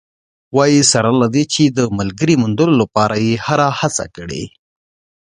وايي، سره له دې چې د ملګرې موندلو لپاره یې هره هڅه کړې